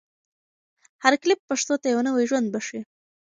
هر کلیپ پښتو ته یو نوی ژوند بښي.